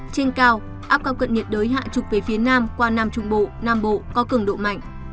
trên cao áp cao cận nhiệt đới hạ trục về phía nam qua nam trung bộ nam bộ có cường độ mạnh